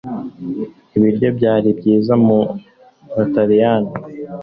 Ibiryo byari byiza mu Butaliyani